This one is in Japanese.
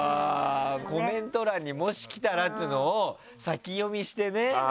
コメント欄にもし来たらっていうのを先読みして。